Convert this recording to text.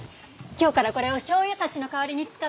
今日からこれを醤油差しの代わりに使って。